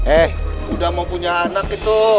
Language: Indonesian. eh udah mau punya anak gitu